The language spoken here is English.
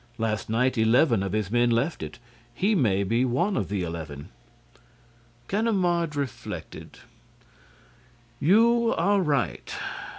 Last night, eleven of his men left it. He may be one of the eleven." Ganimard reflected: "You are right.